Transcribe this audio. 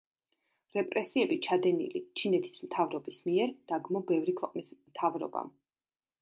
რეპრესიები ჩადენილი ჩინეთის მთავრობის მიერ, დაგმო ბევრი ქვეყნის მთავრობამ.